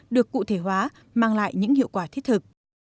được cụ thể hóa mang lại những hiệu quả thiết thực